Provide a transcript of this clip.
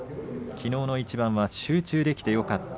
きのうの一番は集中できてよかった。